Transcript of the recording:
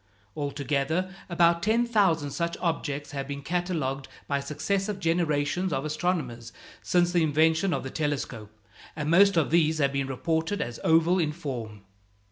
Altogether about ten thousand such objects have been catalogued by successive generations of astronomers since the invention of the telescope, and most of these have been reported as oval in form.